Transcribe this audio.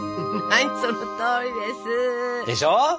はいそのとおりです。でしょ？